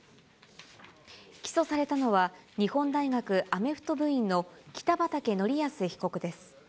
起訴されたのは、日本大学アメフト部員の北畠成文被告です。